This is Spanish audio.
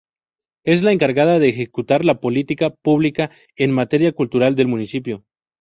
Es la encargada de ejecutar la política pública en materia cultural del municipio.